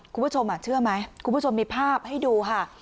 คุณผู้ชมเชื่อไหมคุณผู้ชมมีภาพให้ดูค่ะ